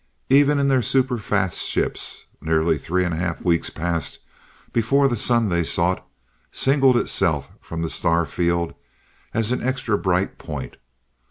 Even in their super fast ships, nearly three and a half weeks passed before the sun they sought, singled itself from the star field as an extra bright point.